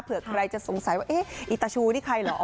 เผื่อใครจะสงสัยว่าเอ๊ะอีตาชูนี่ใครเหรอ